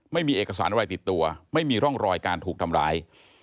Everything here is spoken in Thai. ไม่มีเอกสารอะไรติดตัวไม่มีร่องรอยการถูกทำร้าย